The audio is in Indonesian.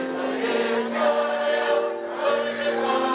bersih merakyat kerja